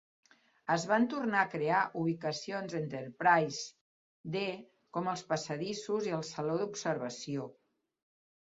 Es van tornar a crear ubicacions "Enterprise" -D com els passadissos i el saló d'observació.